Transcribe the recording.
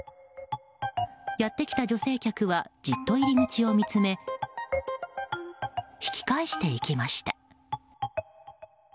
やってきた女性客はじっと入り口を見つめ引き返していきました。